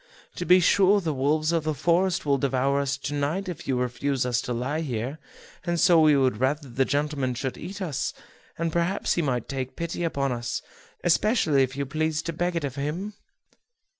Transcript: To be sure the wolves of the forest will devour us to night if you refuse us to lie here; and so we would rather the gentleman should eat us; and perhaps he may take pity upon us, especially if you please to beg it of him."